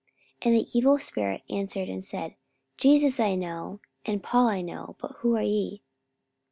44:019:015 And the evil spirit answered and said, Jesus I know, and Paul I know; but who are ye?